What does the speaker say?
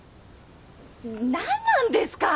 何なんですか？